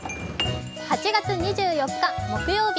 ８月２４日木曜日。